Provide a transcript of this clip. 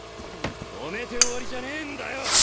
止めて終わりじゃねえんだよ。